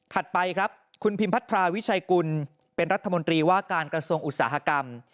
ไปครับคุณพิมพัทราวิชัยกุลเป็นรัฐมนตรีว่าการกระทรวงอุตสาหกรรม